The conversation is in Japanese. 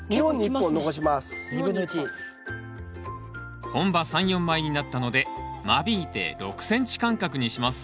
本葉３４枚になったので間引いて６ｃｍ間隔にします